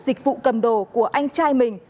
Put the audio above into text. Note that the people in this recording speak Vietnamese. dịch vụ cầm đồ của anh trai mình